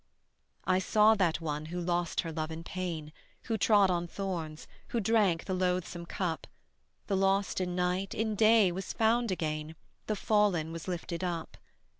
I saw that one who lost her love in pain, Who trod on thorns, who drank the loathsome cup; The lost in night, in day was found again; The fallen was lifted up.